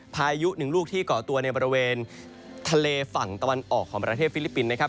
พายุหนึ่งลูกที่ก่อตัวในบริเวณทะเลฝั่งตะวันออกของประเทศฟิลิปปินส์นะครับ